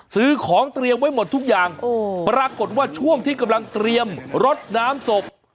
ซื้อของเตรียมไว้หมดทุกอย่างปรากฏว่าช่วงที่กำลังเตรียมรดน้ำศพ